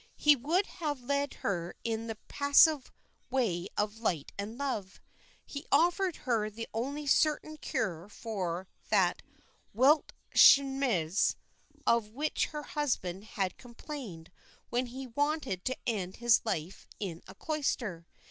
He would have led her in the passive way of light and love. He offered her the only certain cure for that Welt Schmerz of which her husband had complained when he wanted to end his life in a cloister.